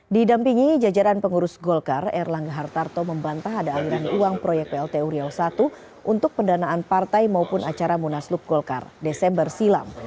didampingi jajaran pengurus golkar erlangga hartarto membantah ada aliran uang proyek plt uriau i untuk pendanaan partai maupun acara munaslup golkar desember silam